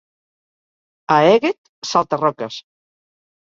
A Èguet, salta-roques.